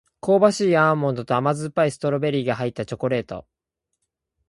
香ばしいアーモンドと甘酸っぱいストロベリーが入ったチョコレート